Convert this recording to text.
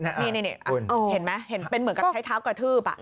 นี่เห็นไหมเห็นเป็นเหมือนกับใช้เท้ากระทืบ